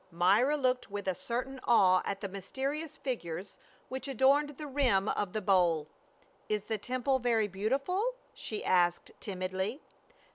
Myra looked with a certain awe at the mysterious figures which adorned the rim of the bowl. " Is the temple very beautiful ?" she asked timidly.